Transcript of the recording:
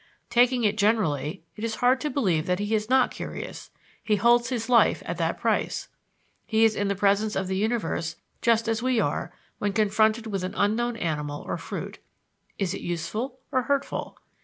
Taking it generally, it is hard to believe that he is not curious he holds his life at that price. He is in the presence of the universe just as we are when confronted with an unknown animal or fruit. Is it useful or hurtful?